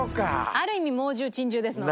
ある意味猛獣珍獣ですので。